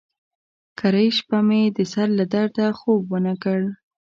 کرۍ شپه مې د سر له درده خوب ونه کړ.